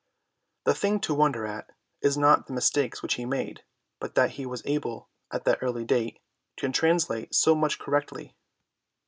The thing to wonder at is not the mistakes which he made, but that he was able, at that early date, to translate so much correctly.